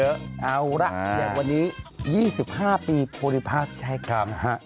เอาล่ะอย่างวันนี้๒๕ปีโพลิภาพไทยกรรม